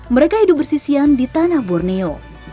mereka hidup bersisian di tanah borneo